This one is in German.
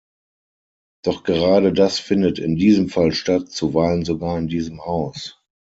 Doch gerade das findet in diesem Fall statt, zuweilen sogar in diesem Haus.